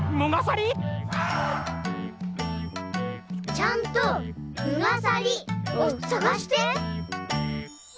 ・ちゃんと「むがさり」をさがして。